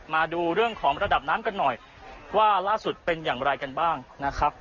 มาดูเรื่องของระดับน้ำกันหน่อยว่าล่าสุดเป็นอย่างไรกันบ้างนะครับ